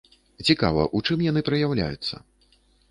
Цікава, у чым яны праяўляюцца?